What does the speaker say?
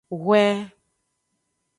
Hwe.